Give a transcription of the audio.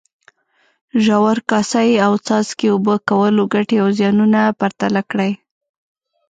ژور، کاسه یي او څاڅکي اوبه کولو ګټې او زیانونه پرتله کړئ.